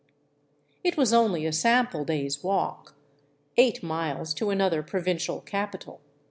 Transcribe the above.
It was only a sample day's walk; eight miles to another provincial capital.